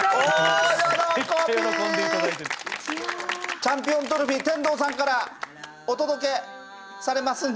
チャンピオントロフィー天童さんからお届けされますんで。